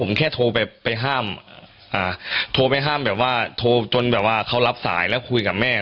ผมแค่โทรไปห้ามโทรไปห้ามแบบว่าโทรจนแบบว่าเขารับสายแล้วคุยกับแม่